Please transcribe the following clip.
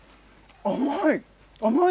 甘い！